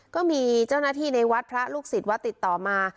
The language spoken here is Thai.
ก็มีเจ้าหน้าที่ในวัดพระลูกศิษย์วัดติดต่อมา